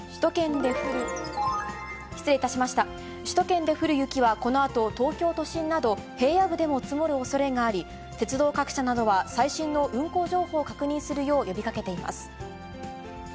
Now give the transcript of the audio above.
首都圏で降る雪は、このあと東京都心など平野部でも積もるおそれがあり、鉄道各社などは最新の運行情報を確認するよう呼びかけています。